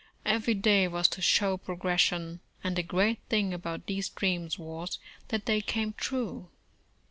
Every day was to show progression, and the great thing about these dreams was, that they came true.